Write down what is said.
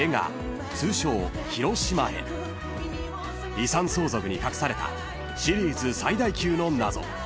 ［遺産相続に隠されたシリーズ最大級の謎］